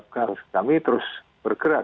karena kami terus bergerak